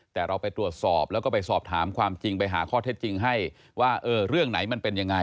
แต่เราไปตรวจสอบแล้วก็ไปสอบถามความจริงไปหาข้อเท็จจริงให้ว่าเออเรื่องไหนมันเป็นยังไง